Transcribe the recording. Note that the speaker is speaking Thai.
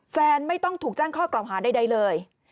แฟนไม่ต้องถูกแจ้งข้อกล่าวหาใดเลย